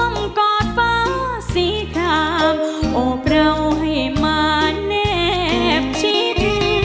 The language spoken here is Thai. อ่อมกอดฟ้าสีทามโอบเราให้มาเน็บชีวิต